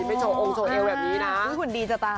ไม่โชว์องค์โชว์เอวแบบนี้นะ